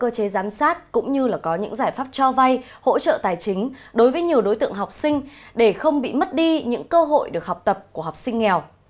cơ chế giám sát cũng như là có những giải pháp cho vay hỗ trợ tài chính đối với nhiều đối tượng học sinh để không bị mất đi những cơ hội được học tập của học sinh nghèo